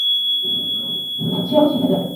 সেও শিখে যাবে।